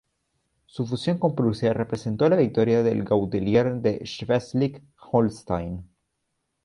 Su fusión con Prusia representó la victoria del Gauleiter de Schleswig-Holstein.